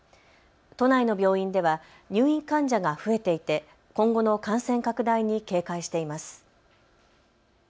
都内の病院では入院患者が増えていて今後の感染拡大に警戒しています。